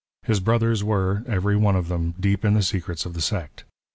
His brothers were — every one of them — deep in the secrets of the sect.